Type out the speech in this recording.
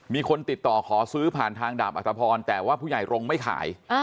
มีคนติดต่อขอซื้อผ่านทางดาบอัตภพรแต่ว่าผู้ใหญ่รงค์ไม่ขาย